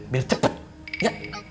biar cepet ya